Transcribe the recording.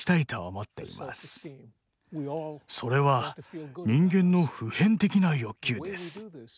それは人間の普遍的な欲求です。